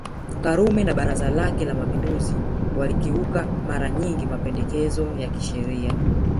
Karume na Baraza lake la Mapinduzi walikiuka mara nyingi mapendekezo ya kisera